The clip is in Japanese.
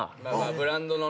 ブランドのね。